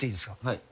・はい。